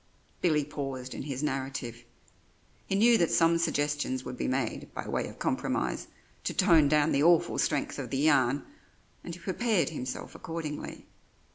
Billy paused in his narrative. He knew that some suggestions would be made, by way of compromise, to tone down the awful strength of the yarn, and he prepared himself accordingly.